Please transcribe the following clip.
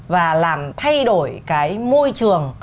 và làm thay đổi cái môi trường